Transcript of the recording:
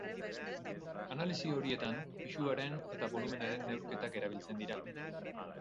Analisi horietan pisuaren eta bolumenaren neurketak erabiltzen dira.